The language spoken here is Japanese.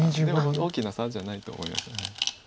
でも大きな差じゃないと思います。